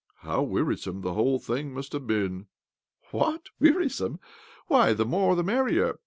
" How wearisome the whole thing must have been I "" What ! Wearisome ? Why, the more the merrier.